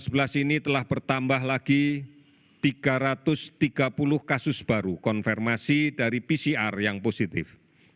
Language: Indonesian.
dua ribu sebelas ini telah bertambah lagi tiga ratus tiga puluh kasus baru konfirmasi dari pcr yang positif